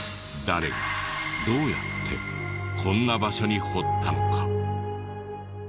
誰がどうやってこんな場所に彫ったのか？